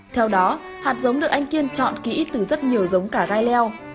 theo đó hạt giống được anh kiên chọn kỹ từ rất nhiều giống cả gai leo